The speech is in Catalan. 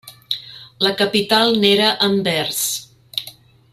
La capital n'era Anvers.